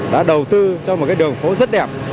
đã đầu tư cho một cái đường phố rất đẹp